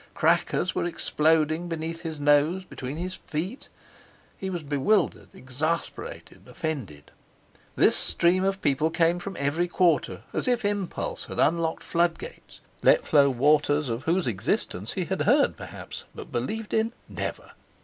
Crackers were exploding beneath his nose, between his feet. He was bewildered, exasperated, offended. This stream of people came from every quarter, as if impulse had unlocked flood gates, let flow waters of whose existence he had heard, perhaps, but believed in never.